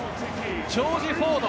ジョージ・フォード！